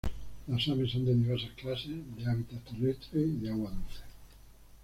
Las aves son de diversas clases: de hábitat terrestre y de agua dulce.